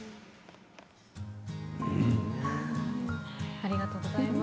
ありがとうございます。